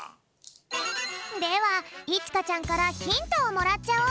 ではいちかちゃんからヒントをもらっちゃおう！